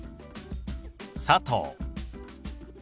「佐藤」。